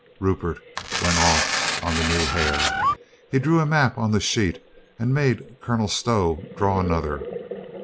Rupert went off on the new hare. He drew a map on the sheet and made Colonel Stow draw an other.